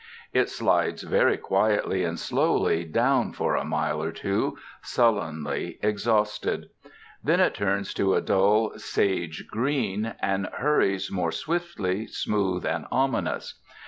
It slides very quietly and slowly down for a mile or two, sullenly exhausted. Then it turns to a dull sage green, and hurries more swiftly, smooth and ominous.